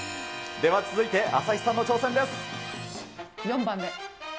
では続いて、朝日さんの挑戦４番で。